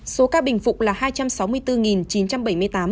số ca bình phục là hai trăm sáu mươi bốn chín trăm bảy mươi tám ca